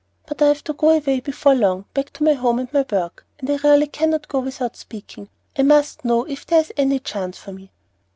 But I have to go away before long, back to my home and my work, and I really cannot go without speaking. I must know if there is any chance for me."